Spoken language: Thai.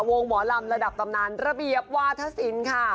หมอลำระดับตำนานระเบียบวาธศิลป์ค่ะ